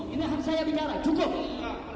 ini harga saya binggaran cukup